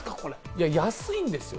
いや、安いですよ。